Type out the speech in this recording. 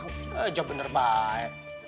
jawab bener banget